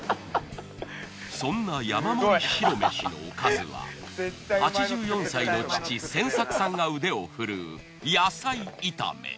そんな山盛り白飯のおかずは８４歳の父仙作さんが腕を振るう野菜炒め。